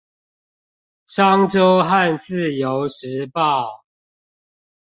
商周和自由時報